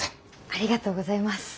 ありがとうございます。